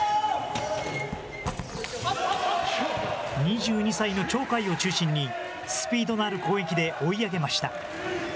２２歳の鳥海を中心に、スピードのある攻撃で追い上げました。